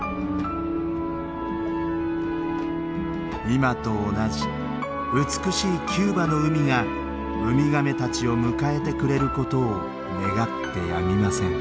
今と同じ美しいキューバの海がウミガメたちを迎えてくれることを願ってやみません。